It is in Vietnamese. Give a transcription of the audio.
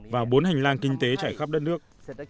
vào bốn hành lang kinh tế trải khắp đất nước